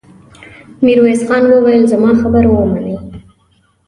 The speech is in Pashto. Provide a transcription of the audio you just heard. ميرويس خان وويل: زما خبره ومنئ!